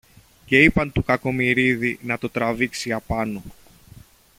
και είπαν του Κακομοιρίδη να το τραβήξει απάνω